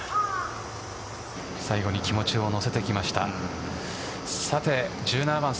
最後に気持ちを乗せてきました。